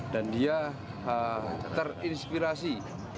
dan dia terinspirasi